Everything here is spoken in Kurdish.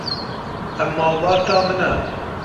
Ev malbata min e.